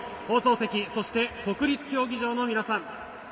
放送席そして国立競技場の皆さん